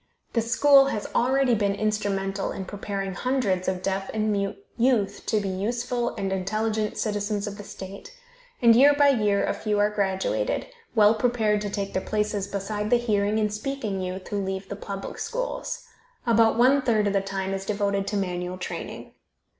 This school has already been instrumental in preparing hundreds of deaf and mute youth to be useful and intelligent citizens of the state, and year by year a few are graduated, well prepared to take their places beside the hearing and speaking youth who leave the public schools. About one third of the time is devoted to manual training.